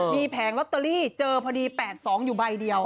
มีแผงลอตเตอรี่เจอพอดี๘๒อยู่ใบเดียว